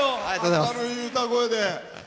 明るい歌声で。